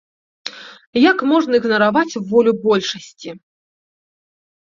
Як можна ігнараваць волю большасці!